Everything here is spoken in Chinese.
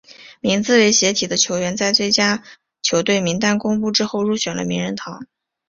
名字为斜体的球员在最佳球队名单公布之后入选了名人堂。